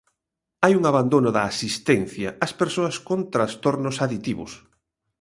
Hai un abandono da asistencia ás persoas con trastornos aditivos.